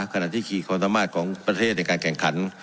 ขณะที่ขี่ความสามารถของประเทศในการแข่งขัน